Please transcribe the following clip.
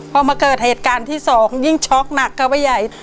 พอมาเกิดเหตุการณ์ที่๒ยิ่งช็อกหนักกับใหญ่